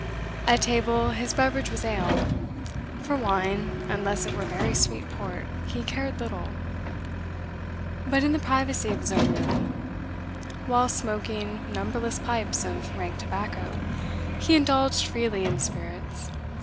At table his beverage was ale; for wine unless it were very sweet port he cared little; but in the privacy of his own room, whilst smoking numberless pipes of rank tobacco, he indulged freely in spirits.